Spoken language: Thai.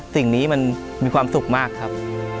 สิ่งนี้มันมีความสุขมากครับ